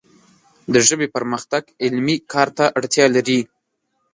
د ژبې پرمختګ علمي کار ته اړتیا لري